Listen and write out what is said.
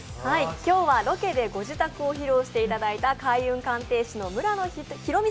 今日はロケでご自宅を披露していただいた開運鑑定士の村野弘味